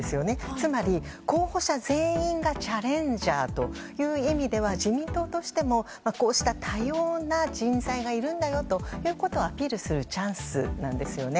つまり、候補者全員がチャレンジャーという意味では自民党としてもこうした多様な人材がいるんだよということをアピールするチャンスなんです。